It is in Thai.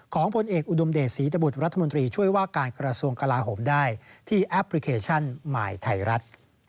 ผลเอกอุดมเดชศรีตบุตรรัฐมนตรีช่วยว่าการกระทรวงกลาโหมได้ที่แอปพลิเคชันหมายไทยรัฐ